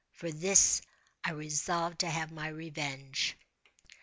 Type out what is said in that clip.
For this I resolved to have my revenge.